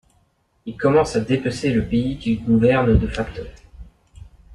Il commence à dépecer le pays qu’il gouverne de facto.